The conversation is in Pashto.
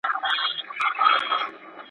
پخوا په هېواد کې یو پرانیستی چاپېریال و.